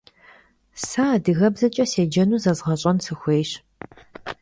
Se adıgebzeç'e sêcenu zezğeş'en sıxuêyş.